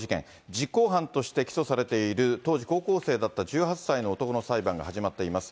実行犯として起訴されている、当時高校生だった１８歳の男の裁判が始まっています。